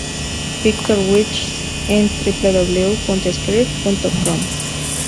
Víctor Wilches en www.scribd.com